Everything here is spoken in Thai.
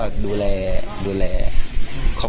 เพลงที่สุดท้ายเสียเต้ยมาเสียชีวิตค่ะ